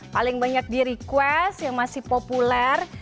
paling banyak di request yang masih populer